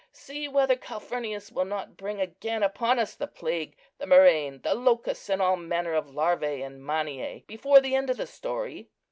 See whether Calphurnius will not bring again upon us the plague, the murrain, the locusts, and all manner of larvæ and maniæ before the end of the story."